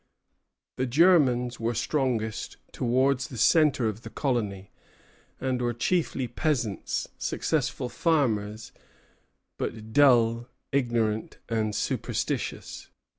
The Germans were strongest towards the centre of the colony, and were chiefly peasants; successful farmers, but dull, ignorant, and superstitious.